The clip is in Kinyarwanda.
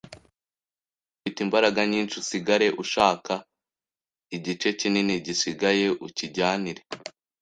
wowe ufite imbaraga nyinshi usigare ushaka igice kinini gisigaye ucyijyanire.